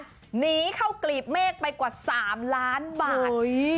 หนีเข้ากลีบเมฆไปกว่า๓ล้านบาท